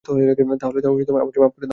তাহলে, আমাকে মাফ করে দাও।